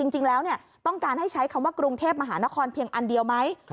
จริงแล้วต้องการให้ใช้คำว่ากรุงเทพมหานครเพียงอันเดียวไหม